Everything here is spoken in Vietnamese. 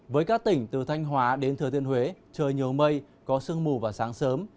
với các tỉnh từ thanh hóa đến thừa tiên huế trời nhiều mây có sương mù và sáng sớm